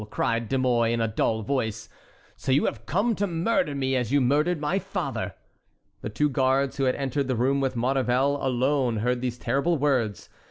cried De Mouy, in a dull voice, "so you have come to murder me as you murdered my father!" The two guards who had entered the room with Maurevel alone heard these terrible words.